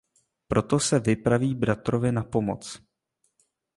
Proto se vypraví bratrovi na pomoc.